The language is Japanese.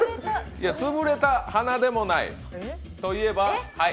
つぶれた鼻でもない、といえば？